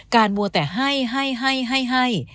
การมัวแต่ให้ให้ให้ให้ให้